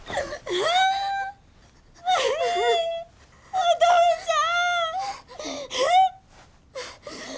お父ちゃん！